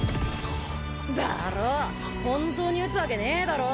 本当に撃つわけねえだろ。